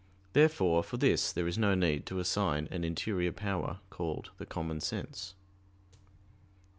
Therefore for this there is no need to assign an interior power, called the common sense.